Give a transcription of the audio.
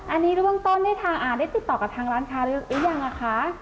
อันนี้เบื้องต้นได้ติดต่อกับทางร้านค้าหรือยังอะคะ